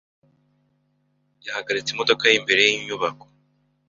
Yahagaritse imodoka ye imbere yinyubako.